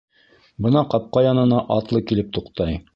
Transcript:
...Бына ҡапҡа янына атлы килеп туҡтай.